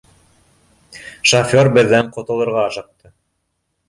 — Шофер беҙҙән ҡотолорға ашыҡты.